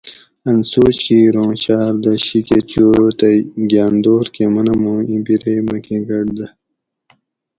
اۤن سوچ کِیر اُوں شاردہ شی کہ چوتئ گاۤن دور کہ منم اُوں اِیں بِرے مکہ گۤٹ دہ